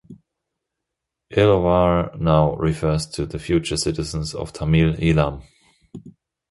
Eelavar now refers to the future citizens of Tamil Eelam.